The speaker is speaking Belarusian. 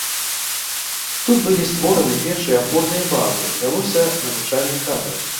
Тут былі створаны першыя апорныя базы, вялося навучанне кадраў.